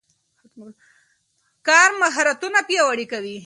کار مهارتونه پیاوړي کوي.